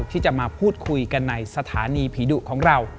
ที่จะมาพูดคุยกันในสถานีผีดุของเรา